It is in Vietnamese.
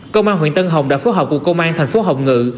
công an huyện tân hồng đã phối hợp cùng công an thành phố hồng ngự